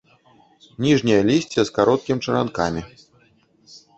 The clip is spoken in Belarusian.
Ніжняе лісце з кароткім чаранкамі.